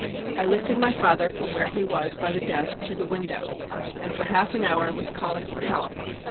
" I lifted my father from where he was by the desk to the window, and for half an hour was calling for help.